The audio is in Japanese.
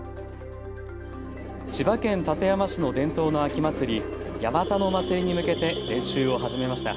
千葉県館山市の伝統の秋祭り、八幡のまつりに向けて練習を始めました。